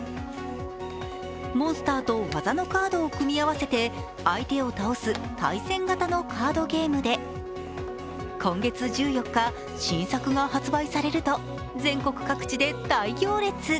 モンスターと技のカードを組み合わせて相手を倒す対戦型のカードゲームで今月１４日、新作が発売されると全国各地で大行列。